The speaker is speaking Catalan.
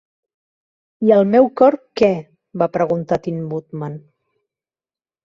"I el meu cor, què?", va preguntar Tin Woodman.